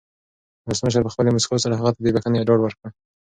ولسمشر په خپلې مسکا سره هغه ته د بښنې ډاډ ورکړ.